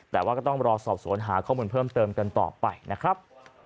แต่ว่าก็ต้องรอสอบสวนหาข้อมูลเพิ่มเติมกันต่อไปนะครับ